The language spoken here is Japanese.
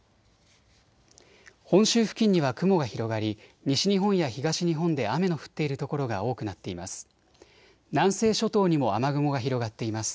本州付近には雲が広がり西日本や東日本で雨の降っている所が多くなっています。